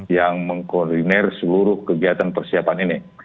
yang mengkoordinir seluruh kegiatan persiapan ini